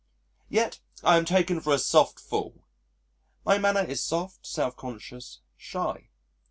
] Yet I am taken for a soft fool! My manner is soft, self conscious, shy.